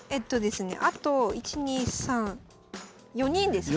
あと１２３４人ですかね。